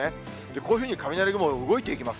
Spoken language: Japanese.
こういうふうに雷雲が動いていきます。